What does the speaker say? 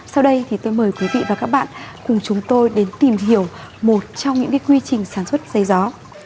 sau đây thì tôi mời quý vị và các bạn cùng chúng tôi đến tìm hiểu một trong những quy trình sản xuất dây gió